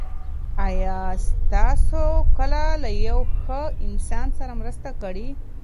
آیا تاسو کله له یو ښه انسان سره مرسته کړې؟